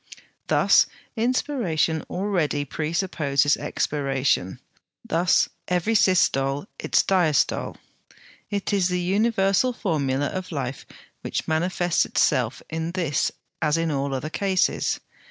Thus inspiration already presupposes expiration; thus every systole its diastole. It is the universal formula of life which manifests itself in this as in all other cases.